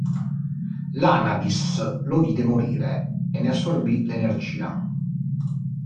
L'Anabis lo vide morire e ne assorbì l'energia.